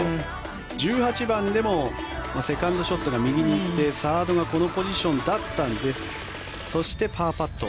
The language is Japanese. １８番でもセカンドショットが右に行ってサードがこのポジションだったんですそして、パーパット。